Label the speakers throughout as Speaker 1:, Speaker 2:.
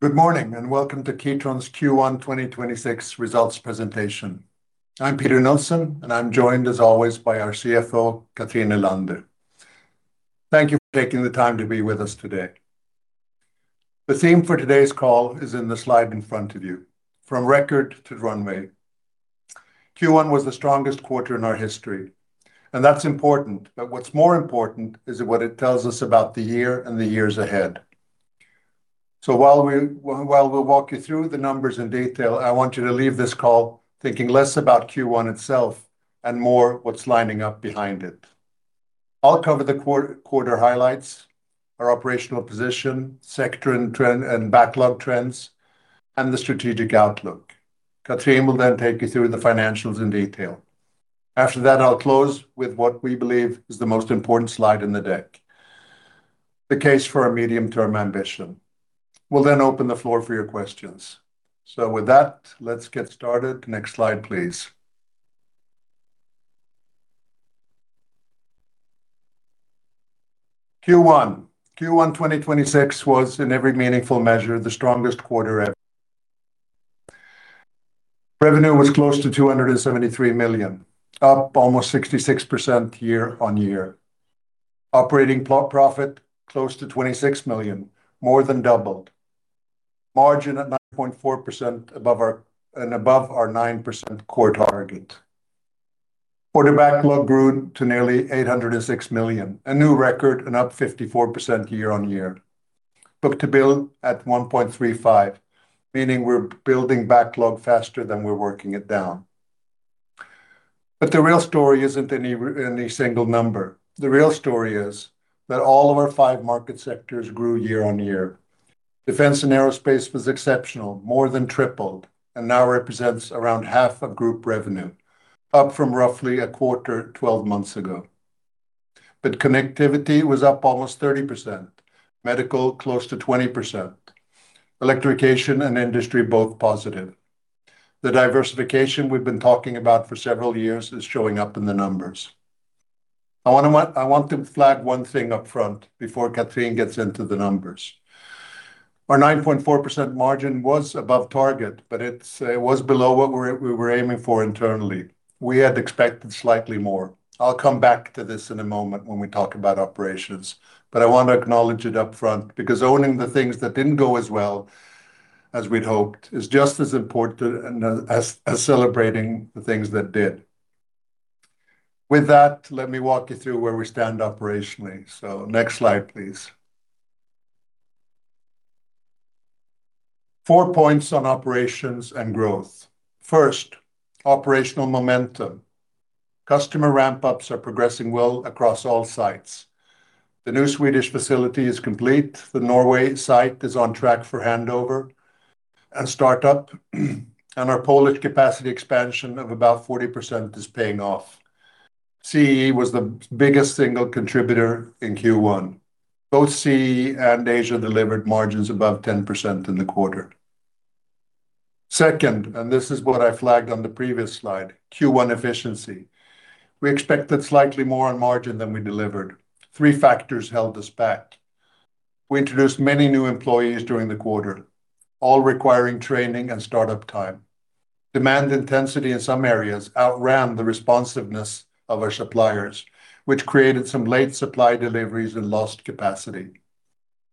Speaker 1: Good morning, and welcome to Kitron's Q1 2026 Results Presentation. I'm Peter Nilsson, and I'm joined, as always, by our CFO, Cathrin Nylander. Thank you for taking the time to be with us today. The theme for today's call is in the slide in front of you, from record to runway. Q1 was the strongest quarter in our history, and that's important. What's more important is what it tells us about the year and the years ahead. While we'll walk you through the numbers in detail, I want you to leave this call thinking less about Q1 itself, and more what's lining up behind it. I'll cover the quarter highlights, our operational position, sector and backlog trends, and the strategic outlook. Cathrin will then take you through the financials in detail. After that, I'll close with what we believe is the most important slide in the deck, the case for our medium-term ambition. We'll then open the floor for your questions. With that, let's get started. Next slide, please. Q1. Q1 2026 was, in every meaningful measure, the strongest quarter ever. Revenue was close to 273 million, up almost 66% year-on-year. Operating profit, close to 26 million, more than doubled. Margin at 9.4% and above our 9% core target. Order backlog grew to nearly 806 million. A new record, and up 54% year-on-year. Book-to-bill at 1.35x, meaning we're building backlog faster than we're working it down. The real story isn't any single number. The real story is that all of our five market sectors grew year-on-year. Defense and Aerospace was exceptional, more than tripled, and now represents around half of group revenue, up from roughly a quarter 12 months ago. Connectivity was up almost 30%, Medical close to 20%, Electrification and Industry both positive. The diversification we've been talking about for several years is showing up in the numbers. I want to flag one thing up front before Cathrin gets into the numbers. Our 9.4% margin was above target, but it was below what we were aiming for internally. We had expected slightly more. I'll come back to this in a moment when we talk about operations, but I want to acknowledge it up front, because owning the things that didn't go as well as we'd hoped is just as important as celebrating the things that did. With that, let me walk you through where we stand operationally. Next slide, please. Four points on operations and growth. First, operational momentum. Customer ramp-ups are progressing well across all sites. The new Swedish facility is complete. The Norway site is on track for handover and startup. Our Polish capacity expansion of about 40% is paying off. CEE was the biggest single contributor in Q1. Both CEE and Asia delivered margins above 10% in the quarter. Second, and this is what I flagged on the previous slide, Q1 efficiency. We expected slightly more on margin than we delivered. Three factors held us back. We introduced many new employees during the quarter, all requiring training and startup time. Demand intensity in some areas outran the responsiveness of our suppliers, which created some late supply deliveries and lost capacity.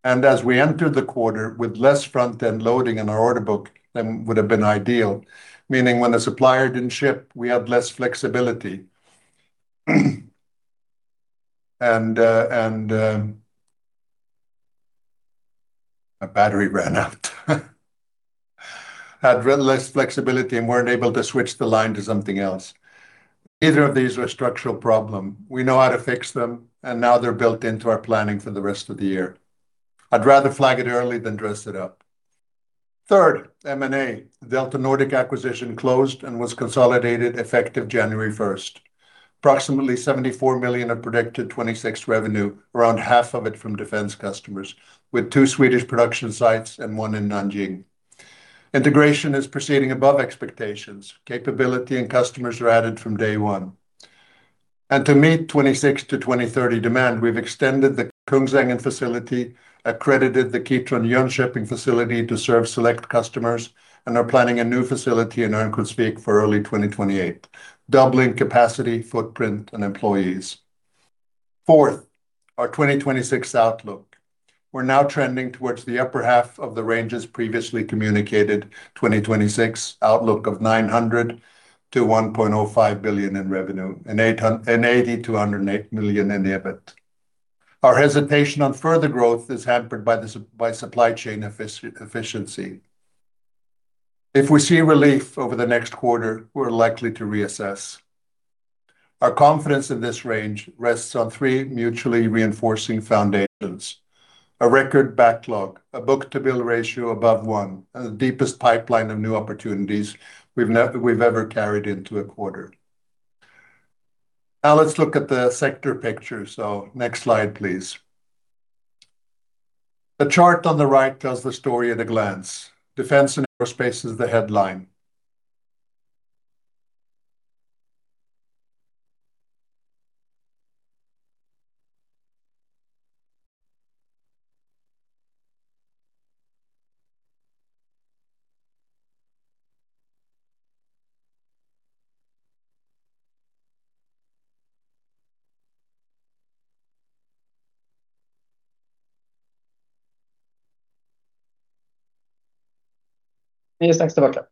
Speaker 1: As we entered the quarter with less front-end loading in our order book than would have been ideal, meaning when the supplier didn't ship, we had less flexibility. My battery ran out. We had less flexibility and weren't able to switch the line to something else. Neither of these are a structural problem. We know how to fix them, and now they're built into our planning for the rest of the year. I'd rather flag it early than dress it up. Third, M&A. DeltaNordic acquisition closed and was consolidated effective January 1st. Approximately 74 million of predicted 2026 revenue, around half of it from defense customers, with two Swedish production sites and one in Nanjing. Integration is proceeding above expectations. Capability and customers are added from day one. To meet 2026-2030 demand, we've extended the Kungsängen facility, accredited the Kitron Jönköping facility to serve select customers, and are planning a new facility in Örnsköldsvik for early 2028, doubling capacity, footprint, and employees. Fourth, our 2026 outlook. We're now trending towards the upper half of the ranges previously communicated 2026 outlook of 900 billion-1.05 billion in revenue and 80 million-108 million in EBIT. Our hesitation on further growth is hampered by supply chain efficiency. If we see relief over the next quarter, we're likely to reassess. Our confidence in this range rests on three mutually reinforcing foundations, a record backlog, a book-to-bill ratio above 1x, and the deepest pipeline of new opportunities we've ever carried into a quarter. Now let's look at the sector picture. Next slide, please. The chart on the right tells the story at a glance. Defense and Aerospace is the headline. Yes, thanks a lot.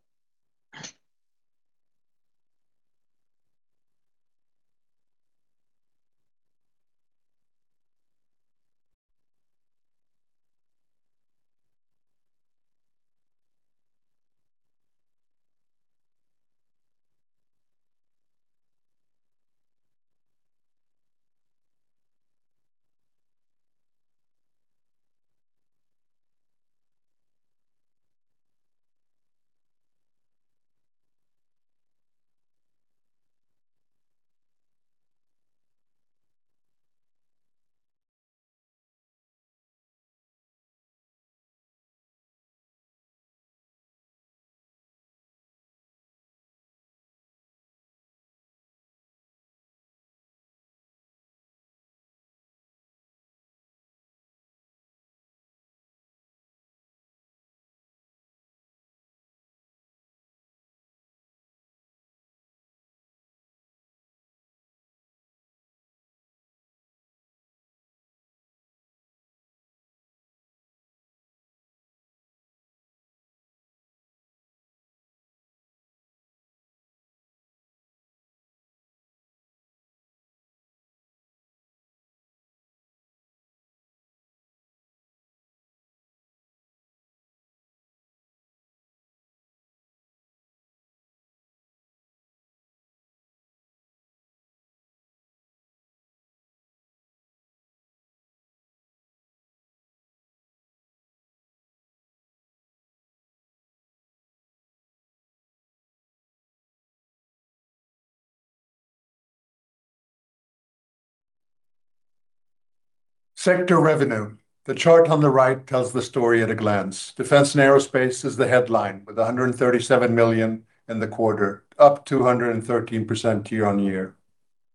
Speaker 1: Sector revenue. The chart on the right tells the story at a glance. Defense and aerospace is the headline, with 137 million in the quarter, up 213% year-over-year.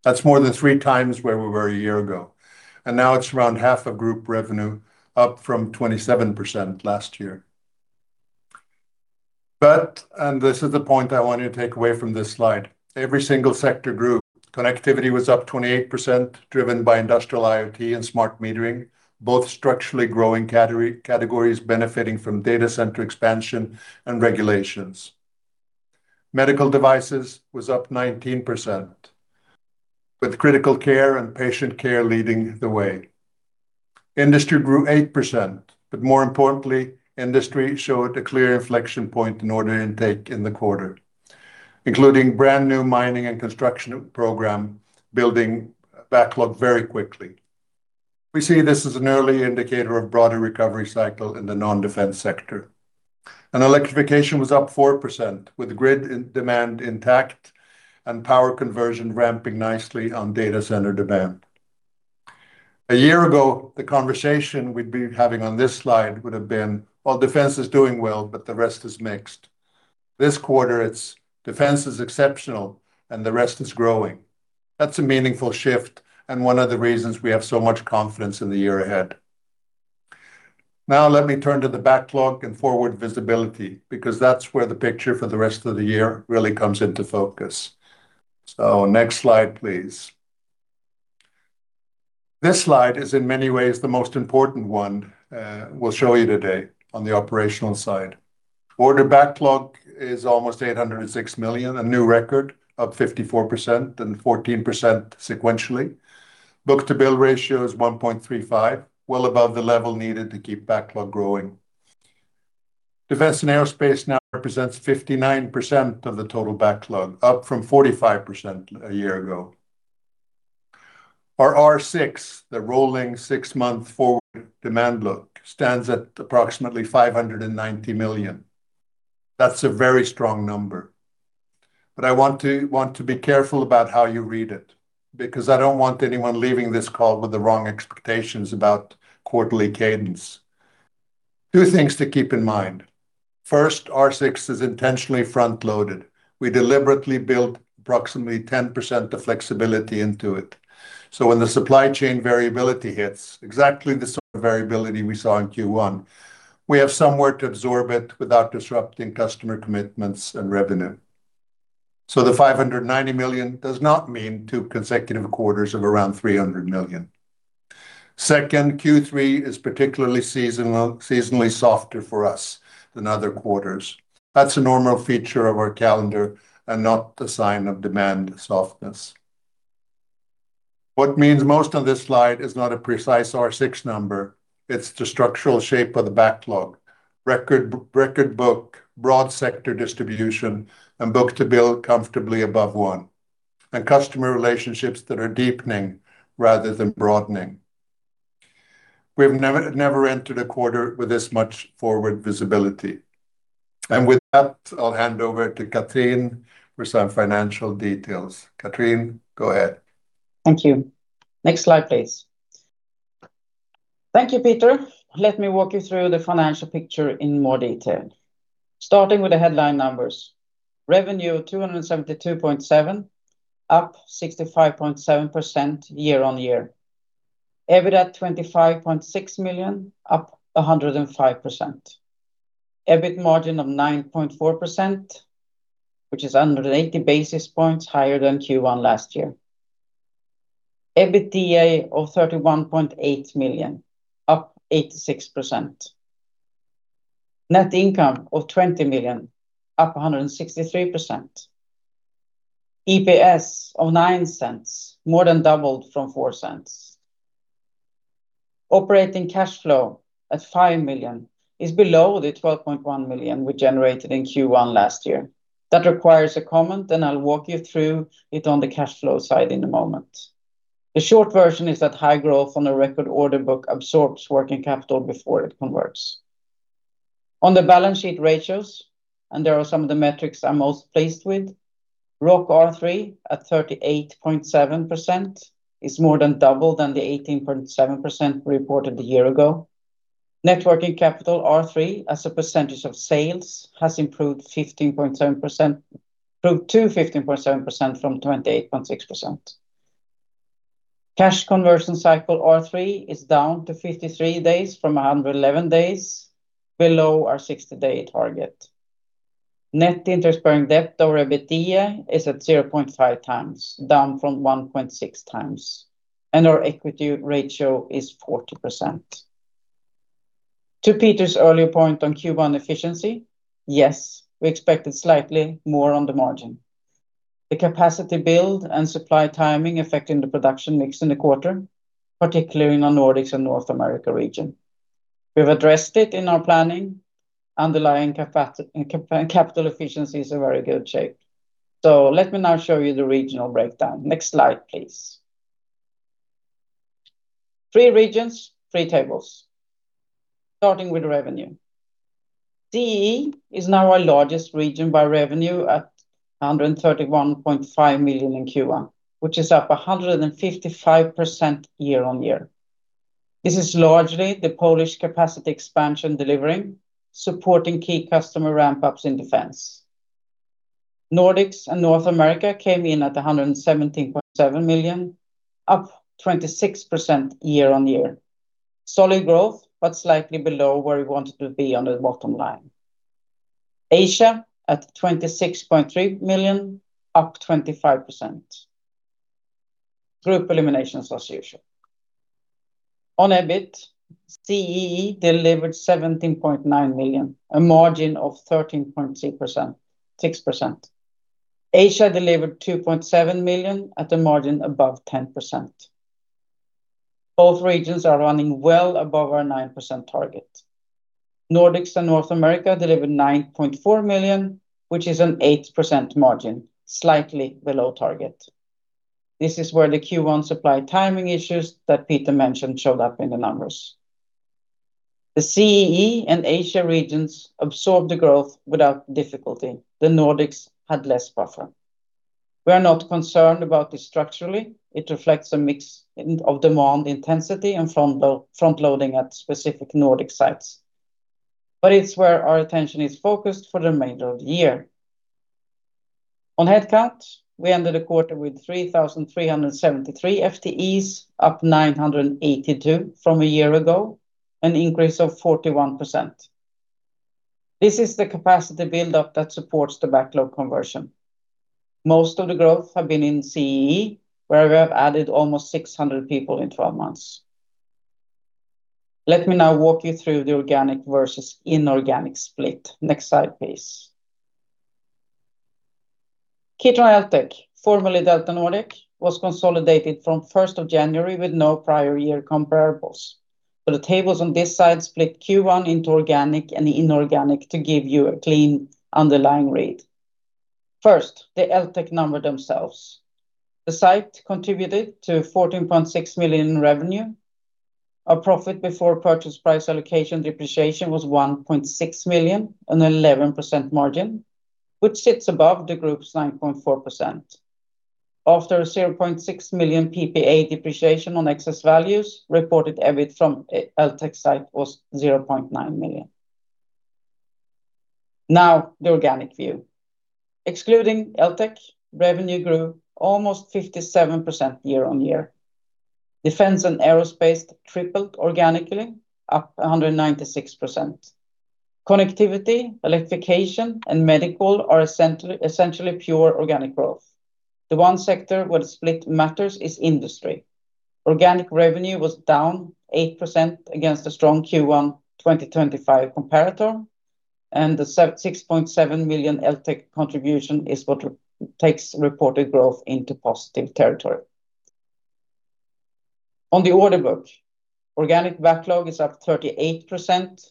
Speaker 1: That's more than three times where we were a year ago, and now it's around half of group revenue, up from 27% last year. This is the point I want you to take away from this slide, every single sector grew. Connectivity was up 28%, driven by industrial IoT and smart metering, both structurally growing categories benefiting from data center expansion and regulations. Medical devices was up 19%, with critical care and patient care leading the way. Industry grew 8%, but more importantly, industry showed a clear inflection point in order intake in the quarter, including brand-new mining and construction program, building backlog very quickly. We see this as an early indicator of broader recovery cycle in the non-defense sector. Electrification was up 4%, with grid demand intact and power conversion ramping nicely on data center demand. A year ago, the conversation we'd be having on this slide would have been, "Well, defense is doing well, but the rest is mixed." This quarter, it's, "Defense is exceptional and the rest is growing." That's a meaningful shift and one of the reasons we have so much confidence in the year ahead. Now let me turn to the backlog and forward visibility, because that's where the picture for the rest of the year really comes into focus. Next slide, please. This slide is in many ways the most important one we'll show you today on the operational side. Order backlog is almost 806 million. A new record, up 54% and 14% sequentially. Book-to-bill ratio is 1.35x, well above the level needed to keep backlog growing. Defense and Aerospace now represents 59% of the total backlog, up from 45% a year ago. Our R6, the rolling six-month forward demand book, stands at approximately 590 million. That's a very strong number, but I want to be careful about how you read it, because I don't want anyone leaving this call with the wrong expectations about quarterly cadence. Two things to keep in mind. First, R6 is intentionally front-loaded. We deliberately built approximately 10% of flexibility into it. When the supply chain variability hits, exactly the sort of variability we saw in Q1, we have somewhere to absorb it without disrupting customer commitments and revenue. The 590 million does not mean two consecutive quarters of around 300 million. Second, Q3 is particularly seasonally softer for us than other quarters. That's a normal feature of our calendar and not a sign of demand softness. What means most on this slide is not a precise R6 number, it's the structural shape of the backlog. Record book, broad sector distribution, and book-to-bill comfortably above one, and customer relationships that are deepening rather than broadening. We've never entered a quarter with this much forward visibility. With that, I'll hand over to Cathrin for some financial details. Cathrin, go ahead.
Speaker 2: Thank you. Next slide, please. Thank you, Peter. Let me walk you through the financial picture in more detail. Starting with the headline numbers. Revenue 272.7 million, up 65.7% year-over-year. EBITDA 25.6 million, up 105%. EBIT margin of 9.4%, which is 180 basis points higher than Q1 last year. EBITDA of 31.8 million, up 86%. Net income of 20 million, up 163%. EPS of $0.09, more than doubled from $0.04. Operating cash flow at 5 million is below the 12.1 million we generated in Q1 last year. That requires a comment, and I'll walk you through it on the cash flow side in a moment. The short version is that high growth on a record order book absorbs working capital before it converts. On the balance sheet ratios, there are some of the metrics I'm most pleased with. ROC R3 at 38.7% is more than double than the 18.7% reported a year ago. Net working capital R3 as a percentage of sales improved to 15.7% from 28.6%. Cash conversion cycle R3 is down to 53 days from 111 days, below our 60-day target. Net interest-bearing debt over EBITDA is at 0.5x, down from 1.6x, and our equity ratio is 40%. To Peter's earlier point on Q1 efficiency, yes, we expected slightly more on the margin. The capacity build and supply timing affecting the production mix in the quarter, particularly in the Nordics and North America region. We've addressed it in our planning. Underlying capital efficiency is in very good shape. Let me now show you the regional breakdown. Next slide, please. Three regions, three tables. Starting with revenue. CEE is now our largest region by revenue at 131.5 million in Q1, which is up 155% year-over-year. This is largely the Polish capacity expansion delivering, supporting key customer ramp-ups in defense. Nordics and North America came in at 117.7 million, up 26% year-over-year. Solid growth, but slightly below where we wanted to be on the bottom line. Asia at 26.3 million, up 25%. Group eliminations as usual. On EBIT, CEE delivered 17.9 million, a margin of 13.6%. Asia delivered 2.7 million at a margin above 10%. Both regions are running well above our 9% target. Nordics and North America delivered 9.4 million, which is an 8% margin, slightly below target. This is where the Q1 supply timing issues that Peter mentioned showed up in the numbers. The CEE and Asia regions absorbed the growth without difficulty. The Nordics had less buffer. We are not concerned about this structurally. It reflects a mix of demand intensity and front-loading at specific Nordic sites. It's where our attention is focused for the remainder of the year. On headcount, we ended the quarter with 3,373 FTEs, up 982 from a year ago, an increase of 41%. This is the capacity build-up that supports the backlog conversion. Most of the growth have been in CEE, where we have added almost 600 people in 12 months. Let me now walk you through the organic versus inorganic split. Next slide, please. Kitron ELTECH, formerly DeltaNordic, was consolidated from 1st of January with no prior year comparables. So the tables on this slide split Q1 into organic and inorganic to give you a clean underlying read. First, the ELTECH numbers themselves. The site contributed 14.6 million in revenue. Our profit before purchase price allocation depreciation was 1.6 million on an 11% margin, which sits above the group's 9.4%. After a 0.6 million PPA depreciation on excess values, reported EBIT from ELTECH site was 0.9 million. Now, the organic view. Excluding ELTECH, revenue grew almost 57% year-on-year. Defense and Aerospace tripled organically, up 196%. Connectivity, Electrification, and Medical are essentially pure organic growth. The one sector where the split matters is Industry. Organic revenue was down 8% against a strong Q1 2025 comparator, and the 6.7 million ELTECH contribution is what takes reported growth into positive territory. On the order book, organic backlog is up 38%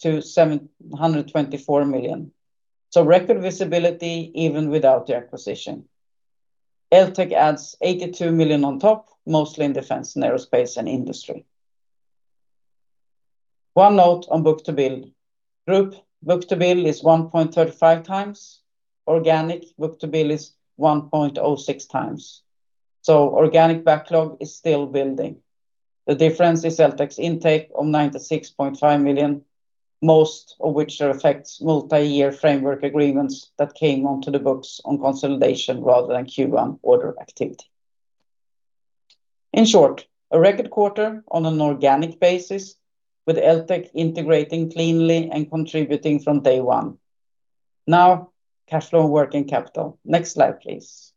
Speaker 2: to 724 million. Record visibility even without the acquisition. ELTECH adds 82 million on top, mostly in Defense and Aerospace and Industry. One note on book-to-bill. Group book-to-bill is 1.35x. Organic book-to-bill is 1.06x. Organic backlog is still building. The difference is ELTECH's intake of 96.5 million, most of which are effects multi-year framework agreements that came onto the books on consolidation rather than Q1 order activity. In short, a record quarter on an organic basis with ELTECH integrating cleanly and contributing from day one. Now, cash flow and working capital. Next slide, please.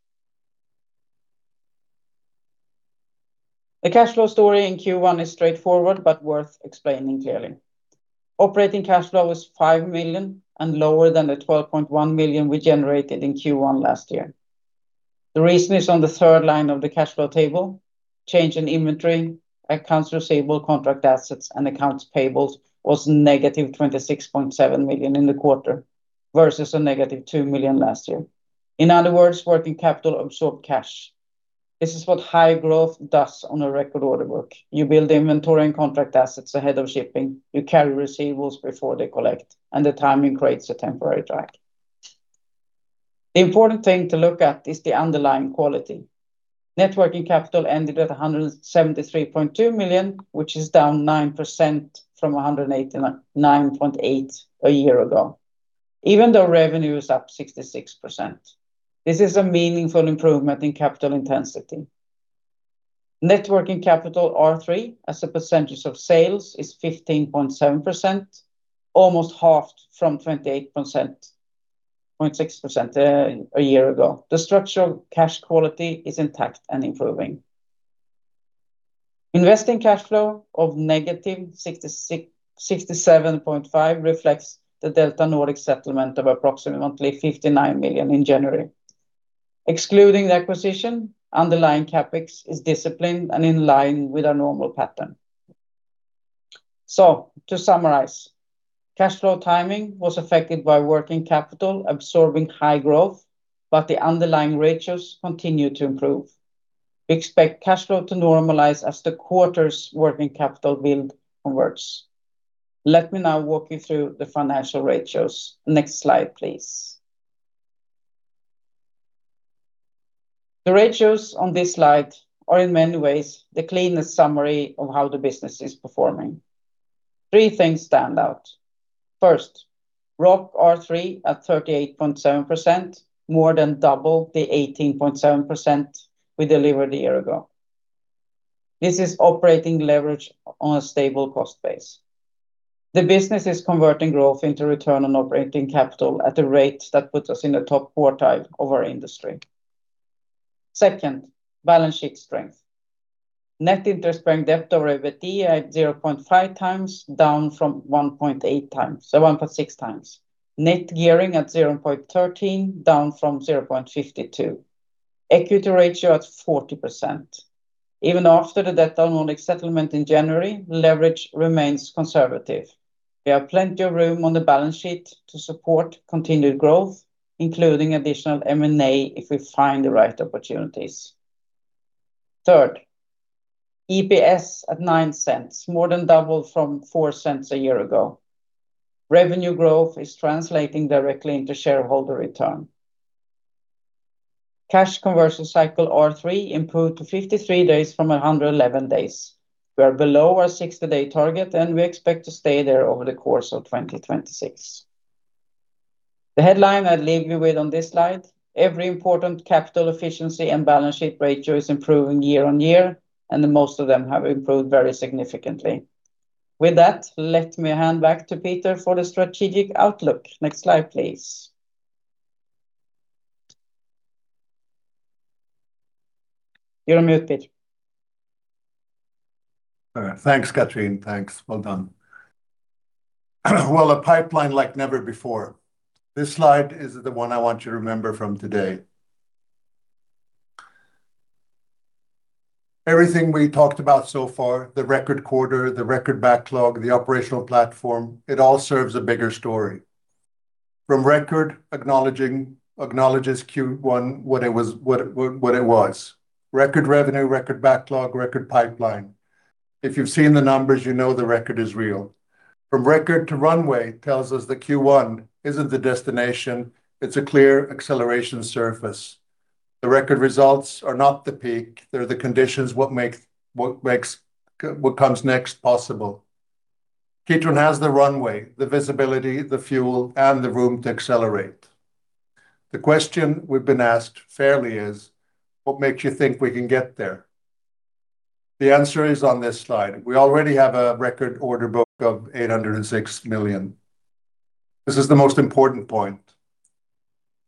Speaker 2: The cash flow story in Q1 is straightforward but worth explaining clearly. Operating cash flow is 5 million and lower than the 12.1 million we generated in Q1 last year. The reason is on the third line of the cash flow table. Change in inventory, accounts receivable, contract assets, and accounts payables was negative 26.7 million in the quarter versus a negative 2 million last year. In other words, working capital absorbed cash. This is what high growth does on a record order book. You build inventory and contract assets ahead of shipping. You carry receivables before they collect, and the timing creates a temporary drag. The important thing to look at is the underlying quality. Net working capital ended at 173.2 million, which is down 9% from 189.8 million a year ago, even though revenue is up 66%. This is a meaningful improvement in capital intensity. Net working capital R3 as a percentage of sales is 15.7%, almost half from 28.6% a year ago. The structure of cash quality is intact and improving. Investing cash flow of -67.5 million reflects the DeltaNordic settlement of approximately 59 million in January. Excluding the acquisition, underlying CapEx is disciplined and in line with our normal pattern. To summarize, cash flow timing was affected by working capital absorbing high growth, but the underlying ratios continue to improve. We expect cash flow to normalize as the quarter's working capital build converts. Let me now walk you through the financial ratios. Next slide, please. The ratios on this slide are in many ways the cleanest summary of how the business is performing. Three things stand out. First, ROC R3 at 38.7%, more than double the 18.7% we delivered a year ago. This is operating leverage on a stable cost base. The business is converting growth into return on operating capital at a rate that puts us in the top quartile of our industry. Second, balance sheet strength. Net interest-bearing debt to EBITDA at 0.5x, down from 1.6x. Net gearing at 0.13x, down from 0.52x. Equity ratio at 40%. Even after the DeltaNordic settlement in January, leverage remains conservative. We have plenty of room on the balance sheet to support continued growth, including additional M&A if we find the right opportunities. Third, EPS at $0.09, more than double from $0.04 a year ago. Revenue growth is translating directly into shareholder return. Cash conversion cycle R3 improved to 53 days from 111 days. We are below our 60-day target, and we expect to stay there over the course of 2026. The headline I leave you with on this slide, every important capital efficiency and balance sheet ratio is improving year on year, and most of them have improved very significantly. With that, let me hand back to Peter for the strategic outlook. Next slide, please. You're on mute, Peter.
Speaker 1: All right. Thanks, Cathrin. Thanks. Well done. Well, a pipeline like never before. This slide is the one I want you to remember from today. Everything we talked about so far, the record quarter, the record backlog, the operational platform, it all serves a bigger story. From record, it acknowledges Q1 for what it was. Record revenue, record backlog, record pipeline. If you've seen the numbers, you know the record is real. From record to runway tells us that Q1 isn't the destination, it's a clear acceleration surface. The record results are not the peak, they're the conditions for what comes next possible. Kitron has the runway, the visibility, the fuel, and the room to accelerate. The question we've been asked frequently is. What makes you think we can get there? The answer is on this slide. We already have a record order book of 806 million. This is the most important point.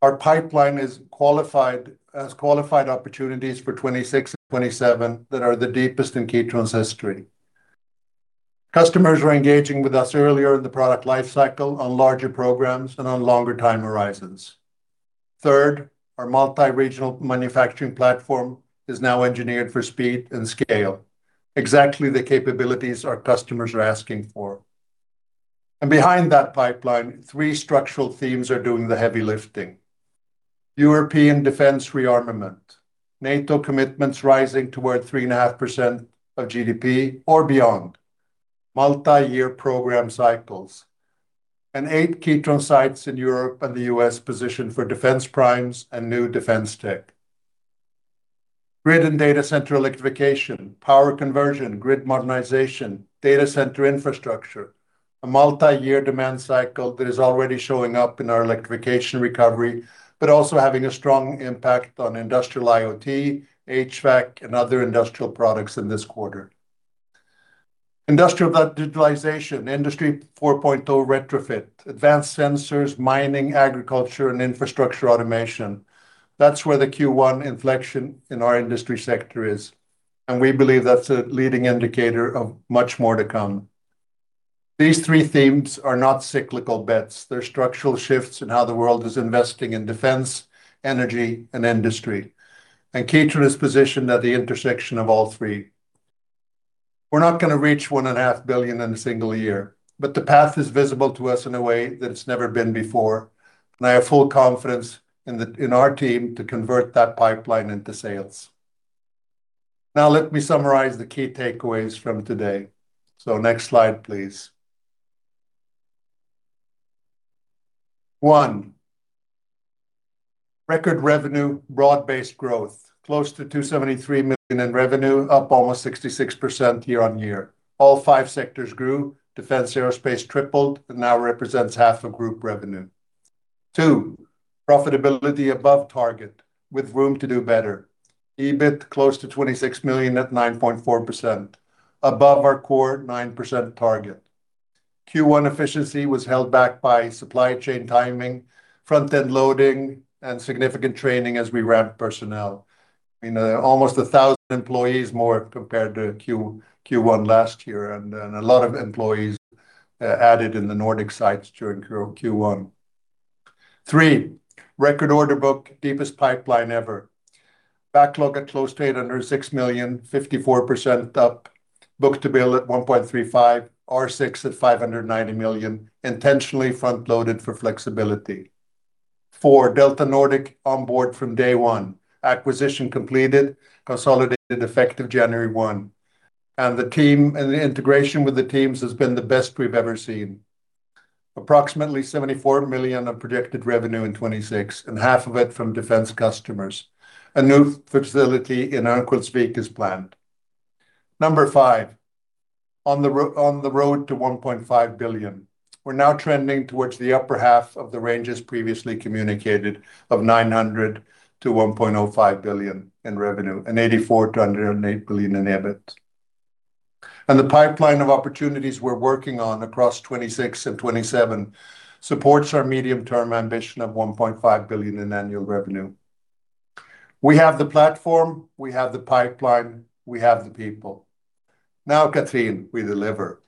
Speaker 1: Our pipeline has qualified opportunities for 2026 and 2027 that are the deepest in Kitron's history. Customers are engaging with us earlier in the product life cycle on larger programs and on longer time horizons. Third, our multi-regional manufacturing platform is now engineered for speed and scale. Exactly the capabilities our customers are asking for. Behind that pipeline, three structural themes are doing the heavy lifting. European defense rearmament. NATO commitments rising toward 3.5% of GDP or beyond. Multi-year program cycles. Eight Kitron sites in Europe and the U.S. positioned for defense primes and new defense tech. Grid and data center electrification, power conversion, grid modernization, data center infrastructure, a multi-year demand cycle that is already showing up in our electrification recovery, but also having a strong impact on Industrial IoT, HVAC, and other industrial products in this quarter. Industrial digitalization, Industry 4.0 retrofit, advanced sensors, mining, agriculture, and infrastructure automation. That's where the Q1 inflection in our industry sector is, and we believe that's a leading indicator of much more to come. These three themes are not cyclical bets. They're structural shifts in how the world is investing in defense, energy, and industry. Kitron is positioned at the intersection of all three. We're not going to reach 1.5 billion in a single year, but the path is visible to us in a way that it's never been before, and I have full confidence in our team to convert that pipeline into sales. Now, let me summarize the key takeaways from today. Next slide, please. One, record revenue, broad-based growth, close to 273 million in revenue, up almost 66% year-over-year. All five sectors grew. Defense aerospace tripled and now represents half of group revenue. Two, profitability above target with room to do better. EBIT close to 26 million at 9.4%, above our core 9% target. Q1 efficiency was held back by supply chain timing, front-end loading, and significant training as we ramped personnel. Almost 1,000 employees more compared to Q1 last year, and a lot of employees added in the Nordic sites during Q1. Three, record order book, deepest pipeline ever. Backlog at close to 860 million, 54% up. Book-to-bill at 1.35x, R6 at 590 million, intentionally front-loaded for flexibility. Four, DeltaNordic on board from day 1. Acquisition completed, consolidated effective January 1. The integration with the teams has been the best we've ever seen. Approximately 74 million of projected revenue in 2026 and half of it from defense customers. A new facility in Örnsköldsvik is planned. Number 5, on the road to 1.5 billion. We're now trending towards the upper half of the ranges previously communicated of 900 million to 1.05 billion in revenue and 84 million-108 million in EBIT. The pipeline of opportunities we're working on across 2026 and 2027 supports our medium-term ambition of 1.5 billion in annual revenue. We have the platform, we have the pipeline, we have the people. Now, Cathrin, we deliver.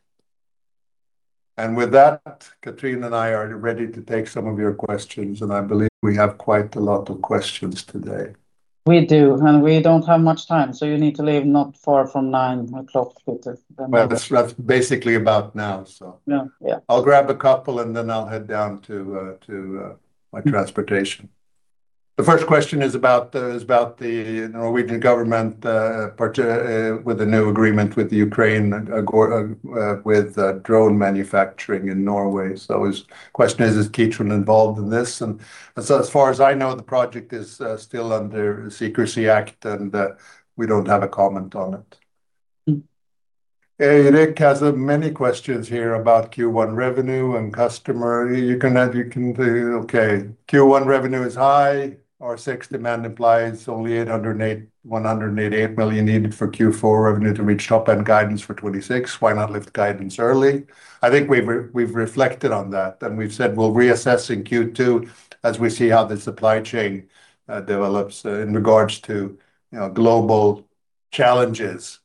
Speaker 1: With that, Cathrin and I are ready to take some of your questions, and I believe we have quite a lot of questions today.
Speaker 2: We do, and we don't have much time, so you need to leave not far from 9:00 A.M., Peter.
Speaker 1: Well, that's basically about now.
Speaker 2: Yeah.
Speaker 1: I'll grab a couple, and then I'll head down to my transportation. The first question is about the Norwegian government with a new agreement with Ukraine with drone manufacturing in Norway. His question is Kitron involved in this? As far as I know, the project is still under the Secrecy Act, and we don't have a comment on it. Hey, Rick has many questions here about Q1 revenue and customer. Q1 revenue is high. R6 demand implies only 188 million needed for Q4 revenue to reach top-end guidance for 2026. Why not lift guidance early? I think we've reflected on that, and we've said we'll reassess in Q2 as we see how the supply chain develops in regards to global challenges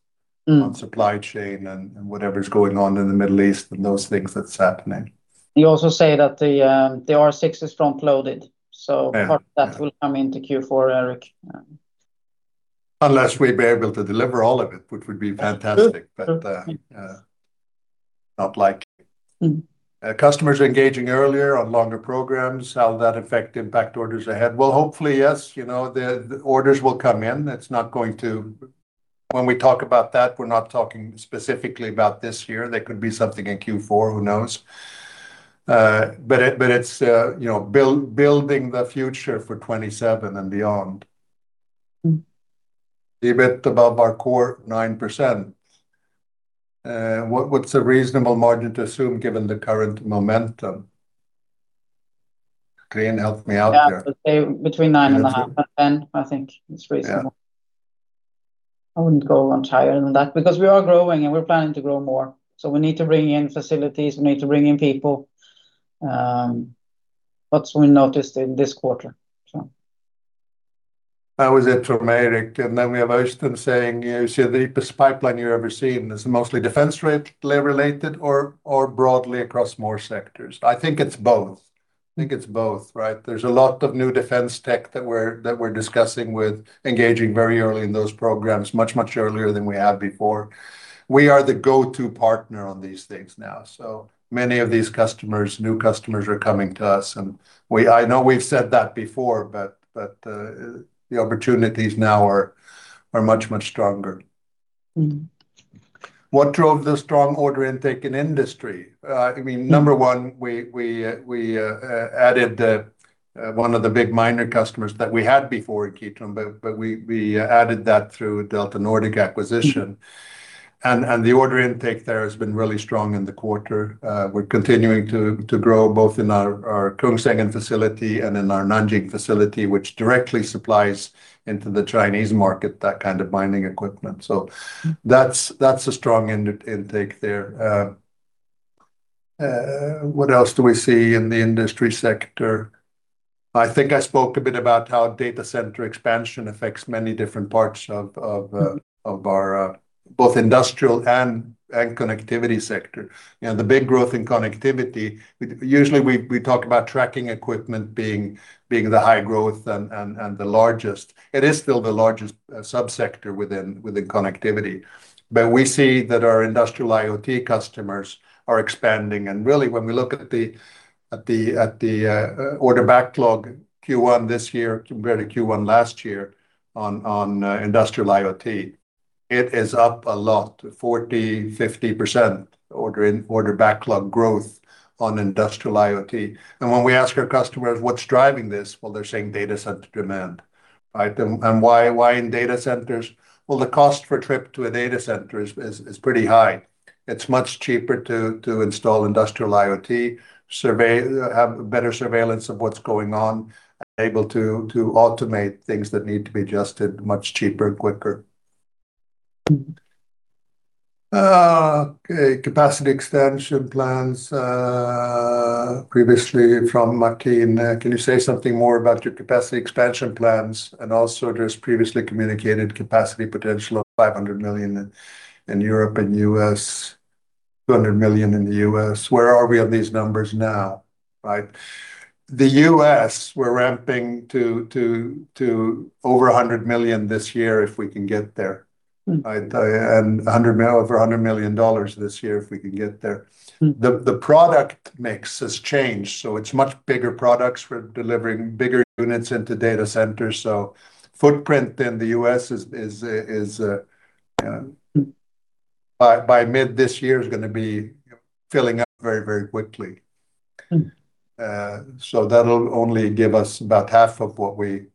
Speaker 1: on supply chain and whatever's going on in the Middle East and those things that's happening.
Speaker 2: You also say that the R6 is front-loaded, so part of that will come into Q4 Rick.
Speaker 1: Unless we'd be able to deliver all of it, which would be fantastic. Not likely. Customers engaging earlier on longer programs, how will that impact orders ahead? Well, hopefully, yes, the orders will come in. When we talk about that, we're not talking specifically about this year. There could be something in Q4, who knows? It's building the future for 2027 and beyond. EBIT above our core 9%. What's a reasonable margin to assume given the current momentum? Cathrin, help me out there.
Speaker 2: Yeah. I'd say between 9.5% and 10%, I think, is reasonable.
Speaker 1: Yeah.
Speaker 2: I wouldn't go much higher than that because we are growing, and we're planning to grow more. We need to bring in facilities, we need to bring in people. That's what we noticed in this quarter.
Speaker 1: That was it from Rickard. We have Øystein saying, you see the deepest pipeline you've ever seen. Is it mostly defense related or broadly across more sectors? I think it's both. I think it's both, right? There's a lot of new defense tech that we're discussing with engaging very early in those programs, much, much earlier than we have before. We are the go-to partner on these things now. Many of these customers, new customers, are coming to us, and I know we've said that before, but the opportunities now are much, much stronger. What drove the strong order intake in industry? Number 1, we added one of the big major customers that we had before in Kitron, but we added that through DeltaNordic acquisition. The order intake there has been really strong in the quarter. We're continuing to grow both in our Kongsvinger facility and in our Nanjing facility, which directly supplies into the Chinese market, that kind of mining equipment. That's a strong intake there. What else do we see in the industry sector? I think I spoke a bit about how data center expansion affects many different parts of our both industrial and Connectivity sector. The big growth in Connectivity, usually we talk about tracking equipment being the high growth and the largest. It is still the largest sub-sector within Connectivity. We see that our Industrial IoT customers are expanding. Really, when we look at the order backlog Q1 this year compared to Q1 last year on Industrial IoT, it is up a lot, 40%-50% order backlog growth on Industrial IoT. When we ask our customers what's driving this, well, they're saying data center demand. Why in data centers? Well, the cost for a trip to a data center is pretty high. It's much cheaper to install Industrial IoT, have better surveillance of what's going on, and able to automate things that need to be adjusted much cheaper and quicker. Capacity expansion plans, previously from Makin, can you say something more about your capacity expansion plans? Also there's previously communicated capacity potential of 500 million in Europe and U.S., $200 million in the U.S. Where are we on these numbers now? The U.S., we're ramping to over $100 million this year if we can get there. Over $100 million this year, if we can get there. The product mix has changed, so it's much bigger products. We're delivering bigger units into data centers, so footprint in the U.S., by mid this year, is going to be filling up very, very quickly. That'll only give us about half of what we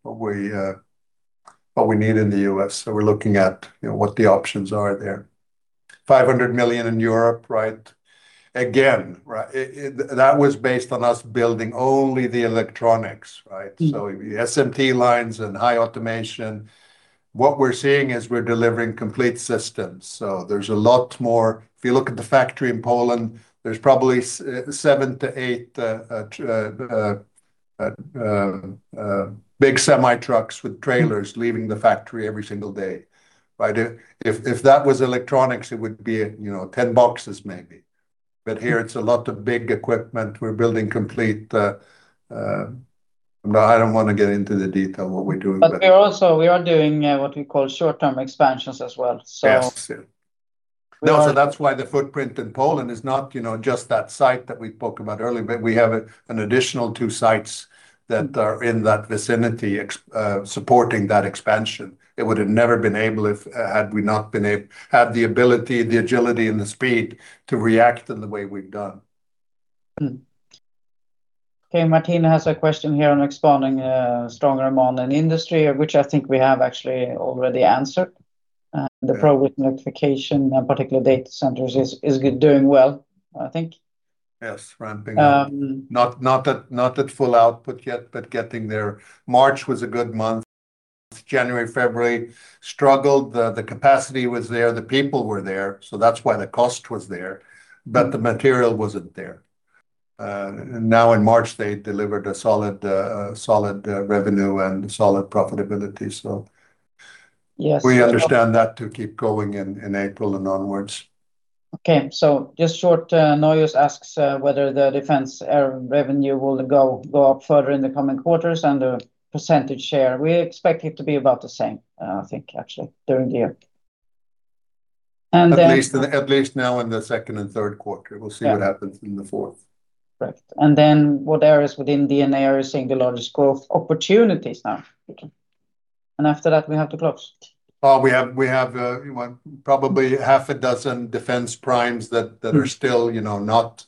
Speaker 1: need in the U.S. We're looking at what the options are there. 500 million in Europe, again, that was based on us building only the electronics, SMT lines and high automation. What we're seeing is we're delivering complete systems. There's a lot more. If you look at the factory in Poland, there's probably 7-8 big semi trucks with trailers leaving the factory every single day. If that was electronics, it would be 10 boxes maybe. Here it's a lot of big equipment. No, I don't want to get into the detail of what we're doing.
Speaker 2: We are doing what we call short-term expansions as well.
Speaker 1: Yes. That's why the footprint in Poland is not just that site that we spoke about earlier, but we have an additional two sites that are in that vicinity supporting that expansion. It would have never been able had we not had the ability, the agility and the speed to react in the way we've done.
Speaker 2: Okay, Martin has a question here on expanding stronger momentum in industry, which I think we have actually already answered. The growth in Electrification and particularly data centers is doing well, I think.
Speaker 1: Yes, ramping. Not at full output yet, but getting there. March was a good month. January and February struggled. The capacity was there, the people were there, so that's why the cost was there. The material wasn't there. Now in March, they delivered a solid revenue and solid profitability.
Speaker 2: Yes.
Speaker 1: We understand that to keep going in April and onward.
Speaker 2: Okay. Just short, Noyos asks whether the defense revenue will go up further in the coming quarters and the percentage share. We expect it to be about the same, I think, actually, during the year.
Speaker 1: At least now in the second and third quarter. We'll see what happens in the fourth.
Speaker 2: Right. What areas within D&A are seeing the largest growth opportunities now? After that, we have to close.
Speaker 1: We have probably half a dozen defense primes that are still not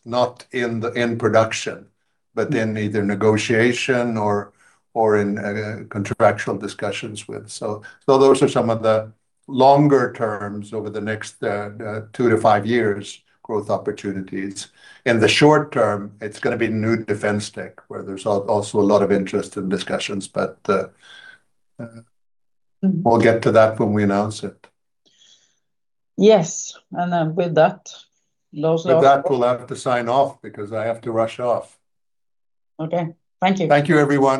Speaker 1: in production, but in either negotiation or in contractual discussions with. Those are some of the longer terms over the next 2-5 years, growth opportunities. In the short term, it's going to be new defense tech, where there's also a lot of interest and discussions, but we'll get to that when we announce it.
Speaker 2: Yes. With that, Lars-
Speaker 1: With that, we'll have to sign off because I have to rush off.
Speaker 2: Okay. Thank you.
Speaker 1: Thank you, everyone.